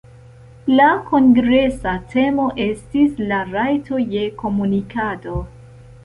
La kongresa temo estis "La rajto je komunikado".